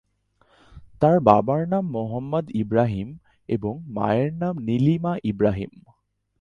তার বাবার নাম মোহাম্মদ ইব্রাহিম এবং মায়ের নাম নীলিমা ইব্রাহিম।